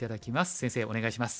先生お願いします。